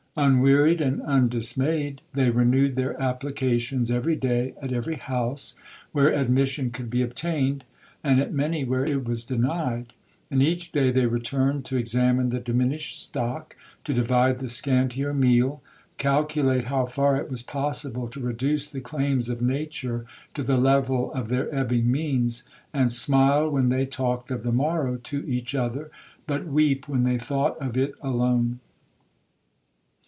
Unwearied and undismayed, they renewed their applications every day, at every house where admission could be obtained, and at many where it was denied; and each day they returned to examine the diminished stock, to divide the scantier meal, calculate how far it was possible to reduce the claims of nature to the level of their ebbing means, and smile when they talked of the morrow to each other, but weep when they thought of it alone.